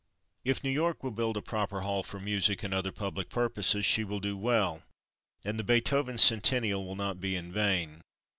If New York will build a proper hall for music and other public purposes, she will do well, and the Beethoven Centennial will not be in vain.